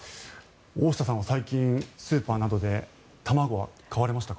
大下さんは最近、スーパーなどで卵は買われましたか？